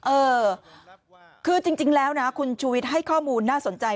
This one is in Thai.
เออคือจริงแล้วนะคุณชูวิทย์ให้ข้อมูลน่าสนใจ